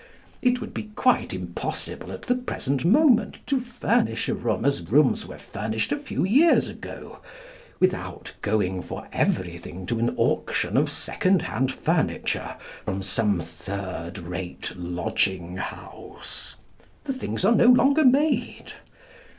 It would be quite impossible at the present moment to furnish a room as rooms were furnished a few years ago, without going for everything to an auction of second hand furniture from some third rate lodging house. The things are no longer made.